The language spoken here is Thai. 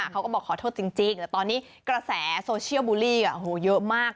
เขาก็บอกขอโทษจริงแต่ตอนนี้กระแสโซเชียลบูลลี่เยอะมาก